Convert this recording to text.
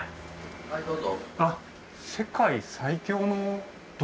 はいどうぞ。